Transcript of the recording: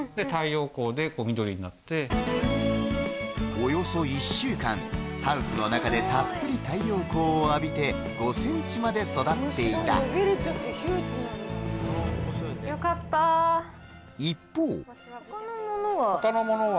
およそ１週間ハウスの中でたっぷり太陽光を浴びて５ｃｍまで育っていた一方他のものは？